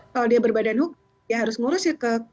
kalau dia berbadan hukum dia harus ngurus ke